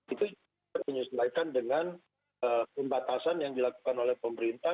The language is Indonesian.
itu kita menyusulkan dengan pembatasan yang dilakukan oleh pemerintah